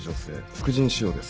副腎腫瘍です。